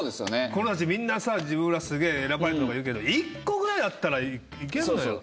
この人たちみんなさ自分らすげえ選ばれたとか言うけど１個ぐらいだったらいけんのよ。